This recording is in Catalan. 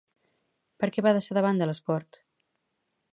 Per què va deixar de banda l'esport?